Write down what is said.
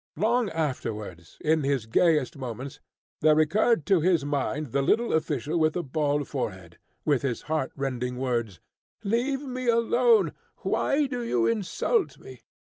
Long afterwards, in his gayest moments, there recurred to his mind the little official with the bald forehead, with his heart rending words, "Leave me alone! Why do you insult me?"